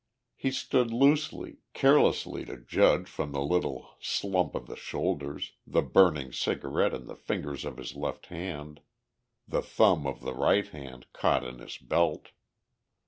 He stood loosely, carelessly to judge from the little slump of the shoulders, the burning cigarette in the fingers of his left hand, the thumb of the right hand caught in his belt.